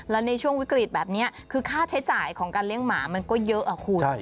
แล้วในช่วงวิกฤตแบบนี้คือค่าใช้จ่ายของการเลี้ยงหมามันก็เยอะอะคุณ